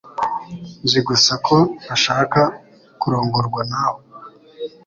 Nzi gusa ko ntashaka kurongorwa nawe